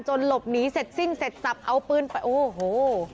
หลบหนีเสร็จสิ้นเสร็จสับเอาปืนไปโอ้โห